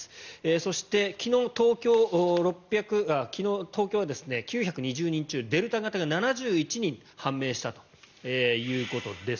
そして昨日、東京は９２０人中デルタ型が７１人判明したということです。